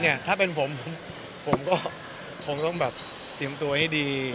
แต่ถ้าผมก็ก็ต้องติดตัวได้มากที่ดี